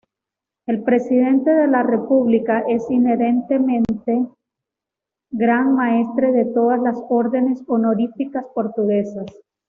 El Presidente de la República es inherentemente Gran-Maestre de todas las órdenes honoríficas portuguesas.